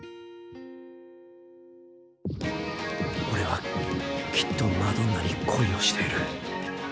オレはきっとマドンナに恋をしている！